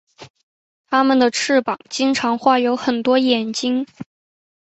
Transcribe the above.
他们的翅膀经常画有很多眼睛。